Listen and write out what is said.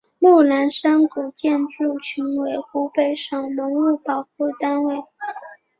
木兰山古建筑群为湖北省文物保护单位。